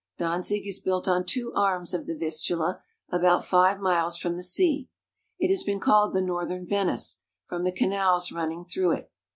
Danzig is built on two arms of the Vistula, about five miles from the sea. It has been called the Northern Venice, from the canals running through it.